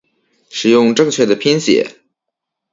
使用正确的拼写